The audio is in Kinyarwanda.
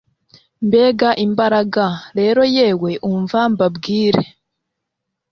Mbega imbaraga rero yewe umva mbabwire